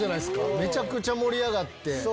めちゃくちゃ盛り上がって。